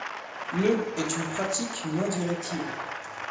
Le est une pratique non-directive.